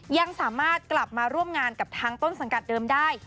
ยังสามารถกลับมาร่วมงานกับทางต้นสังกัดเดิมได้